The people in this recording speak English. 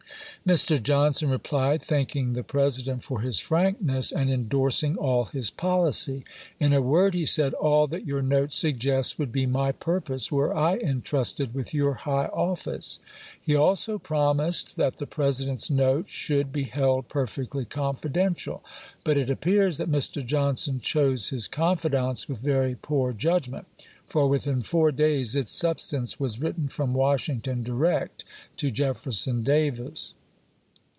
Mr. Johnson replied, thanking the President for his frankness, and indorsing all Ms policy. " In a word," he said, " all that your note suggests vs^ould be my purpose were I intrusted with your high office." He also promised that the President's note "^"LSn," should "be held perfectly confidential." But it '^'^^ms!^*^^' appears that Mr. Johnson chose his confidants with very poor judgment ; for within four days its Sf Savfe" substance was written from Washington direct to ^'mh!^^^' Jefferson Davis.